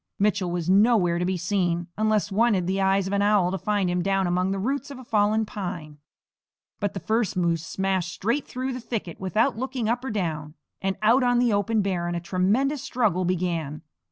Mitchell was nowhere to be seen; unless one had the eyes of an owl to find him down among the roots of a fallen pine. But the first moose smashed straight through the thicket without looking up or down; and out on the open barren a tremendous struggle began.